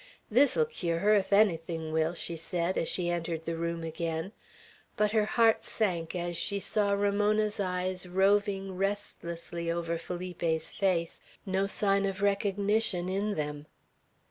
"This'll cure her, ef ennything will," she said, as she entered the room again; but her heart sank as she saw Ramona's eyes roving restlessly over Felipe's face, no sign of recognition in them.